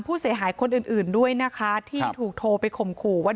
ผู้เสียหายคนอื่นอื่นด้วยนะคะที่ถูกโทรไปข่มขู่ว่า